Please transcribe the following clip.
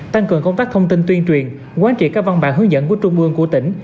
tăng cường công tác thông tin tuyên truyền quán trị các văn bản hướng dẫn của trung ương của tỉnh